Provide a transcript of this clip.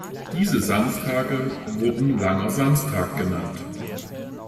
Diese Samstage wurden "langer Samstag" genannt.